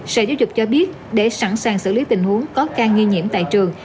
sở giáo dục cho biết để sẵn sàng xử lý tình huống có ca nghi nhiễm tại trường